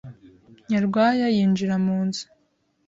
Nyarwaya yinjira mu nzu